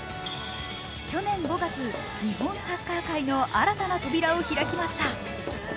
去年５月、日本サッカー界の新たな扉を開きました。